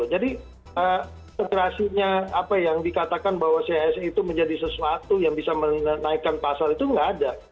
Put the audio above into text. jadi kekerasiannya yang dikatakan bahwa cis nya itu menjadi sesuatu yang bisa menaikkan pasar itu nggak ada